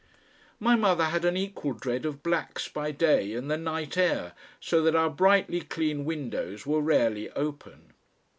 My mother had an equal dread of "blacks" by day and the "night air," so that our brightly clean windows were rarely open.